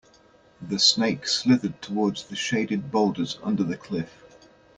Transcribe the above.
The snake slithered toward the shaded boulders under the cliff.